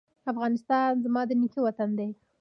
افغانستان زما د نیکه وطن دی؟